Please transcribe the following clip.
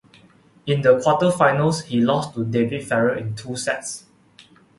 In the quarterfinals, he lost to David Ferrer in two sets.